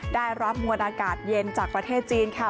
ได้รับมวลอากาศเย็นจากประเทศจีนค่ะ